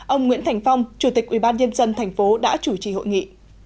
ông nguyễn thành phong chủ tịch ubnd tp đã chủ trì hội nghị